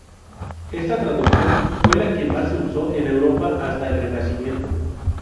Esta traducción fue la que más se usó en Europa hasta el Renacimiento.